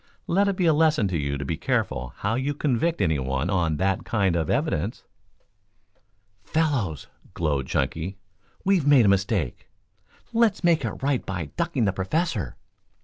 Let it be a lesson to you to be careful how you convict anyone on that kind of evidence." "Fellows," glowed Chunky, "we've made a mistake. Let's make it right by ducking the Professor."